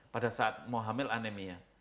pada saat mau hamil anemia